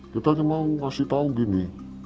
kita hanya mau kasih tahu gini